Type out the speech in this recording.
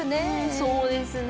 そうですね。